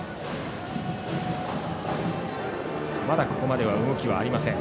まだここまで動きはありません。